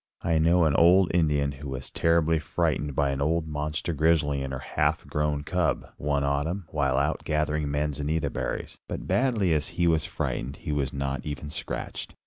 I know an old Indian who was terribly frightened by an old monster grizzly and her half grown cub, one autumn, while out gathering manzanita berries. But badly as he was frightened, he was not even scratched.